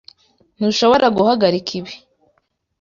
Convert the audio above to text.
Ntushobora guhagarika ibi.